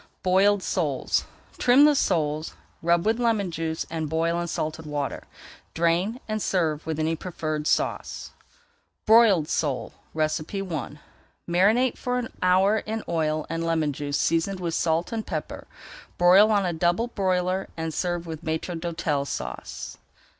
BOILED SOLES Trim the soles, rub with lemon juice and boil in salted water. Drain, and serve with any preferred sauce. BROILED SOLE I Marinate for an hour in oil and lemon juice seasoned with salt and pepper. Broil on a double broiler and serve with Maître d'Hôtel Sauce.